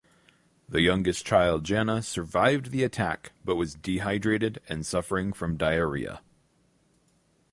The youngest child Jana survived the attack but was dehydrated and suffering from diarrhea.